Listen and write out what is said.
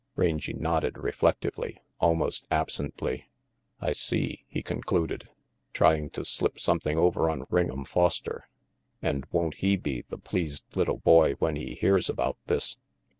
Rangy nodded reflectively, almost absently. "I see," he concluded. "Trying to slip something over on Ring'em Foster. And won't he be the pleased little boy when he hears about this?"